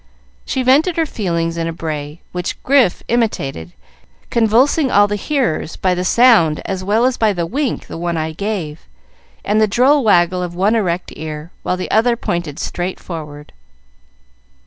She vented her feelings in a bray, which Grif imitated, convulsing all hearers by the sound as well as by the wink the one eye gave, and the droll waggle of one erect ear, while the other pointed straight forward.